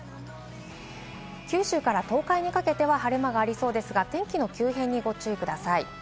九州から東海にかけては晴れ間がありそうですが、天気の急変にご注意ください。